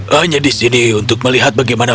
hanya di sini untuk melihat bagaimana